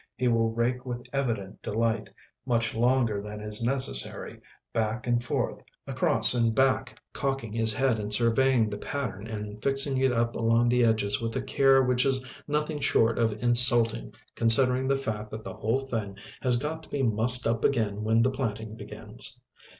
He will rake with evident delight, much longer than is necessary, back and forth, across and back, cocking his head and surveying the pattern and fixing it up along the edges with a care which is nothing short of insulting considering the fact that the whole thing has got to be mussed up again when the planting begins.